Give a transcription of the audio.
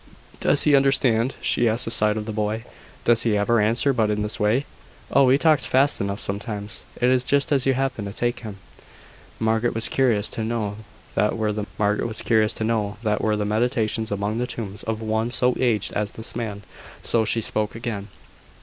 "Does he understand?" she asked aside of the boy. "Does he never answer but in this way?" "Oh! he talks fast enough sometimes. It is just as you happen to take him." Margaret was curious to know what were the meditations among the tombs of one so aged as this man: so she spoke again.